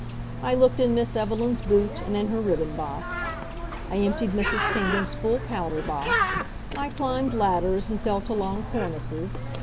I looked in Miss Evelyn's boot and in her ribbon box. I emptied Mrs. Kingdon's full powder box. I climbed ladders and felt along cornices.